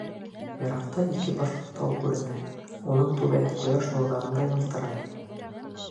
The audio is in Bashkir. Йыраҡта ике башлы тау күренә, уның түбәһе ҡояш нурҙарында ялтырай.